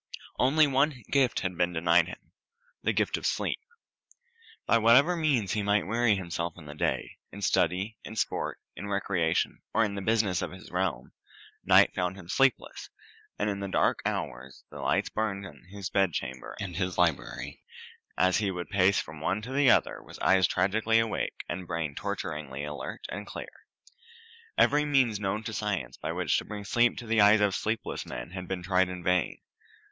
Only one gift had been denied him the gift of sleep. By whatever means he might weary himself in the day in study, in sport, in recreation, or in the business of the realm night found him sleepless, and all the dark hours the lights burned in his bedchamber and in his library, as he would pace from one to the other, with eyes tragically awake and brain torturingly alert and clear. Every means known to science by which to bring sleep to the eyes of sleepless men had been tried in vain.